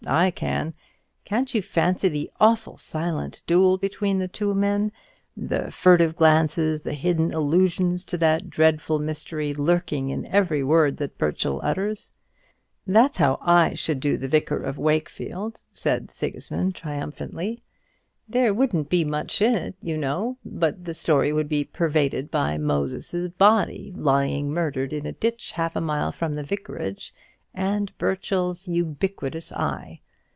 I can. Can't you fancy the awful silent duel between the two men, the furtive glances, the hidden allusions to that dreadful mystery, lurking in every word that Burchell utters? "That's how I should do the 'Vicar of Wakefield,'" said Sigismund Smith, triumphantly. "There wouldn't be much in it, you know; but the story would be pervaded by Moses's body lying murdered in a ditch half a mile from the vicarage, and Burchell's ubiquitous eye.